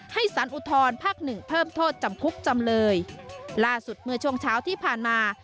สารอุทธรภาคหนึ่งเพิ่มโทษจำคุกจำเลยล่าสุดเมื่อช่วงเช้าที่ผ่านมา